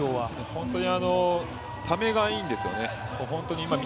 本当にためがいいんですよね。